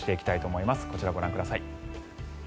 こちらをご覧ください。